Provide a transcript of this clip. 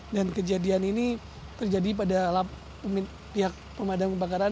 dan kejadian ini terjadi pada pihak pemadam kebakaran